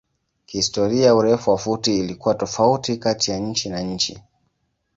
Kihistoria urefu wa futi ilikuwa tofauti kati nchi na nchi.